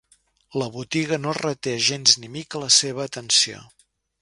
La botiga no reté gens ni mica la seva atenció.